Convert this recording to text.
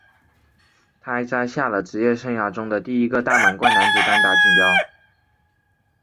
他摘下了职业生涯中的第一个大满贯男子单打锦标。